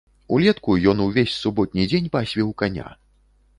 Улетку ён увесь суботні дзень пасвіў каня.